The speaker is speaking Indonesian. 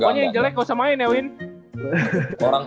pokoknya yang jelek gak usah main ya win